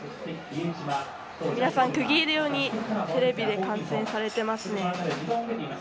皆さん、食い入るようにテレビで観戦されていますね。